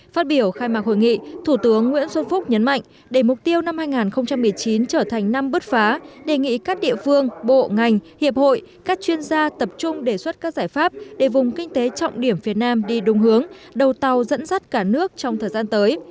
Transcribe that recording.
phát biểu khai mạc hội nghị thủ tướng nguyễn xuân phúc nhấn mạnh để mục tiêu năm hai nghìn một mươi chín trở thành năm bứt phá đề nghị các địa phương bộ ngành hiệp hội các chuyên gia tập trung đề xuất các giải pháp để vùng kinh tế trọng điểm phía nam đi đúng hướng đầu tàu dẫn dắt cả nước trong thời gian tới